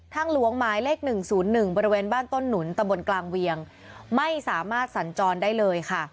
หลวงหมายเลข๑๐๑บริเวณบ้านต้นหนุนตะบนกลางเวียงไม่สามารถสัญจรได้เลยค่ะ